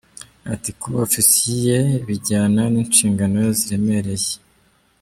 Ati “Kuba ofisiye bijyana n’inshingano ziremereye.